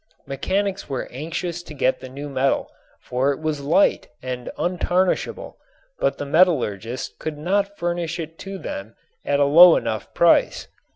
Mechanics were anxious to get the new metal, for it was light and untarnishable, but the metallurgists could not furnish it to them at a low enough price.